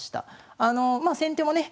まあ先手もね